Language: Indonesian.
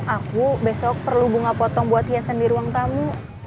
aku besok perlu bunga potong buat hiasan di ruang tamu